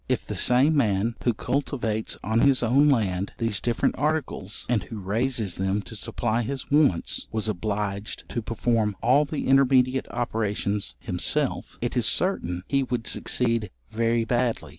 If the same man who cultivates on his own land these different articles, and who raises them to supply his wants, was obliged to perform all the intermediate operations himself, it is certain he would succeed very badly.